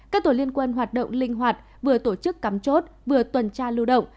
các tổ liên quân hoạt động linh hoạt vừa tổ chức cắm chốt vừa tuần tra lưu động